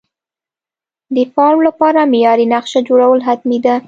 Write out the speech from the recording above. د فارم لپاره معیاري نقشه جوړول حتمي ده.